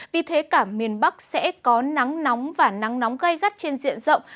vì thế cả miền bắc sẽ có nắng nóng và nắng nóng gây gắt trên diện rộng